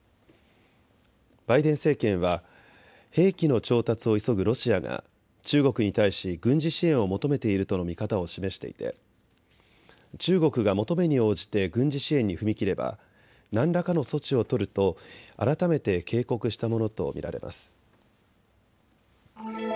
バイデン政権は、兵器の調達を急ぐロシアが中国に対し軍事支援を求めているとの見方を示していて中国が求めに応じて軍事支援に踏み切れば何らかの措置を取ると改めて警告したものと見られます。